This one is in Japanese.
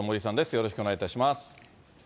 よろしくお願いします。